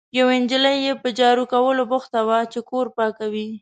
یوه نجلۍ یې په جارو کولو بوخته وه، چې کور پاکوي.